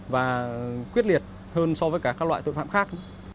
và quyết liệt hơn so với cả các loại tội phạm khác